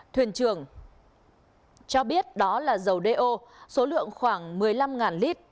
thuyền trường cho biết đó là dầu đeo số lượng khoảng một mươi năm lit